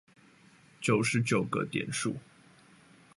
九十九個點數